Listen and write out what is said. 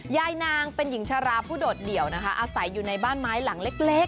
ยายนางเป็นหญิงชาราผู้โดดเดี่ยวนะคะอาศัยอยู่ในบ้านไม้หลังเล็ก